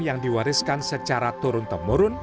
yang diwariskan secara turun temurun